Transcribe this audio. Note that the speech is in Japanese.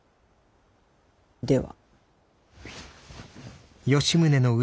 では。